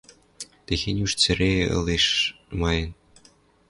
Техень уж цӹре ылеш майын.